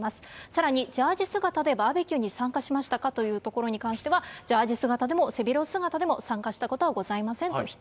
さらにジャージ姿でバーベキューに参加しましたかというところに関しては、ジャージ姿でも背広姿でも参加したことはございません